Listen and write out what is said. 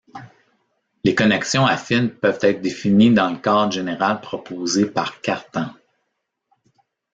Les connexions affines peuvent être définies dans le cadre général proposé par Cartan.